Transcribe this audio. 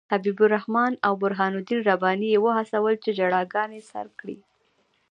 حبیب الرحمن او برهان الدین رباني یې وهڅول چې ژړاګانې سر کړي.